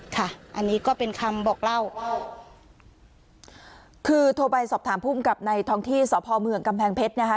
ค่ะอันนี้ก็เป็นคำบอกเล่าคือโทรไปสอบถามภูมิกับในท้องที่สพเมืองกำแพงเพชรนะคะ